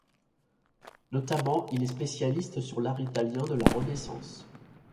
Notamment, il est spécialiste sur l'art italien de la Renaissance.